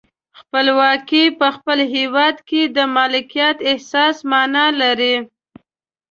خپلواکي په خپل هیواد کې د مالکیت احساس معنا لري.